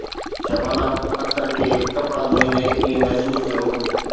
شبانه اختر کي ڪپڙا ڌوئيندي ائين محسوس ٿيو